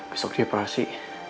besok di operasi